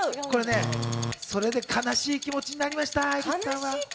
それで悲しい気持ちになりました。